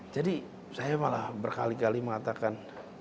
jadi saya malah berkali kali mengatakan